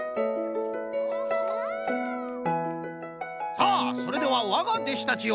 さあそれではわがでしたちよ！